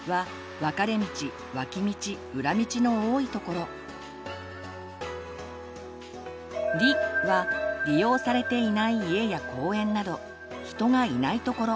「ま」は「わ」は「り」はりようされていない家や公園など人がいないところ。